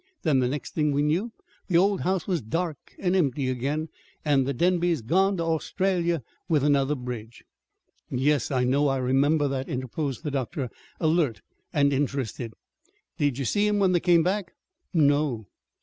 Then, the next thing we knew, the old house was dark and empty again, and the Denbys gone to Australia with another bridge." "Yes, I know. I remember that," interposed the doctor, alert and interested. "Did you see 'em when they come back?" "No."